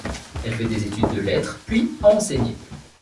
Elle fait des études de lettres puis a enseigné.